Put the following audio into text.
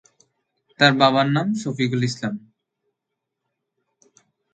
তার বাবার নাম শফিকুল ইসলাম।